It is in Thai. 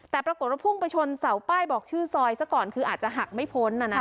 แต่ปรากฏว่าพุ่งไปชนเสาป้ายบอกชื่อซอยซะก่อนคืออาจจะหักไม่พ้น